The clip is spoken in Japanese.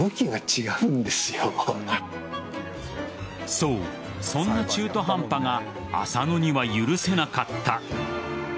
そう、そんな中途半端が浅野には許せなかった。